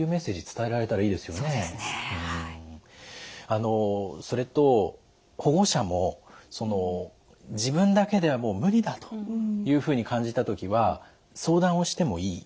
あのそれと保護者も自分だけではもう無理だというふうに感じた時は相談をしてもいい？